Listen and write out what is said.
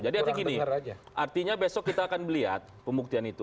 jadi artinya gini artinya besok kita akan melihat pembuktian itu